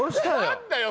何だよ